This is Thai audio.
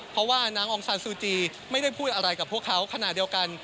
เพราะว่านางองซานซูจีไม่ได้พูดอะไรกับพวกเขาขณะเดียวกัน